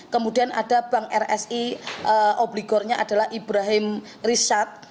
kemudian ada bank rsi obligornya adalah ibrahim richard